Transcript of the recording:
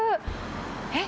えっ？